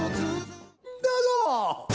どうぞ！